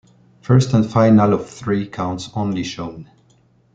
First and final of three counts only shown.